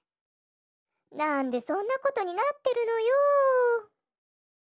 なんでそんなことになってるのよ。